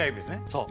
そう。